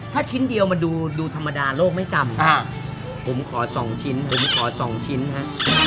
ถ้าชิ้นเดียวมันดูธรรมดาโลกไม่จำผมขอสองชิ้นผมขอสองชิ้นฮะ